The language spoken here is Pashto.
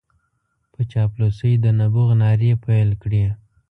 په چاپلوسۍ د نبوغ نارې پېل کړې.